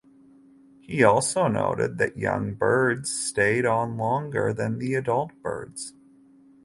He also noted that young birds stayed on longer than the adult birds.